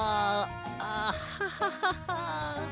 あハハハハ。